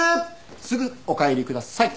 すぐお帰りください。